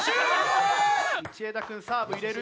道枝くんサーブ入れる。